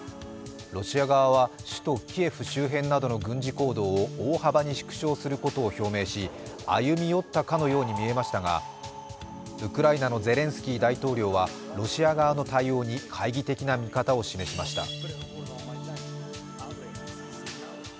ロシア側は首都キエフの軍事行動を縮小することを表明し歩み寄ったかのようにみえましたがウクライナのゼレンスキー大統領はロシア側の対応に懐疑的な見方を示しました。